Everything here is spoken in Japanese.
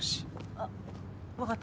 あっ分かった。